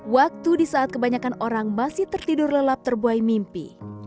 waktu di saat kebanyakan orang masih tertidur lelap terbuai mimpi